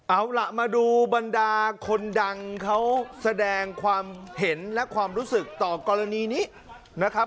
เอาล่ะมาดูบรรดาคนดังเขาแสดงความเห็นและความรู้สึกต่อกรณีนี้นะครับ